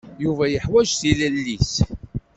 Yuba yeḥwaǧ tilelli-s.